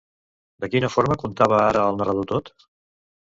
De quina forma contava ara el narrador tot?